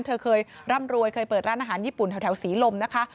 เธอเคยร่ำรวยเคยเปิดร้านอาหารญี่ปุ่นแถวศรีลมนะคะ